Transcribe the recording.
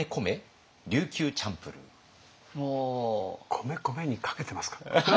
「米」「こめ」にかけてますか？